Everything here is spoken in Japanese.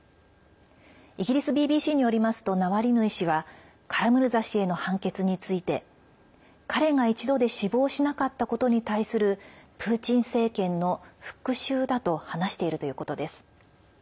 イギリスＢＢＣによりますとナワリヌイ氏はカラムルザ氏への判決について彼が一度で死亡しなかったことに対するプーチン政権の復しゅうだと話しているということです。